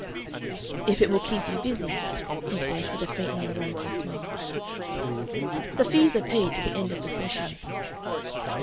"If it will keep you busy," he said, with a faintly ironical smile. "The fees are paid to the end of the session."